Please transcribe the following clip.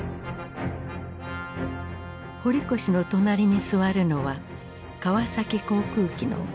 堀越の隣に座るのは川崎航空機の土井武夫。